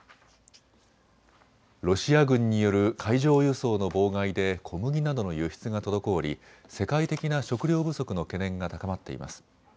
ロシア軍による海上輸送の妨害で小麦などの輸出が滞り世界的な食料不足の懸念が高まっています。